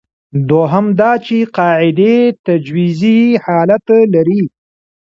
دویم دا چې قاعدې تجویزي حالت لري.